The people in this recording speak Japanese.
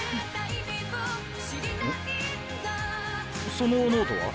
そのノートは？